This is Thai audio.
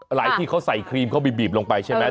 ที่เขาใส่ครีมเขาบีบลงไปใช่ไหม